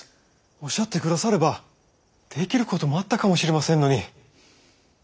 おっしゃって下さればできることもあったかもしれませんのに。